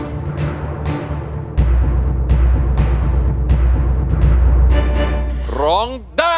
ไม่ทำได้ไม่ทำได้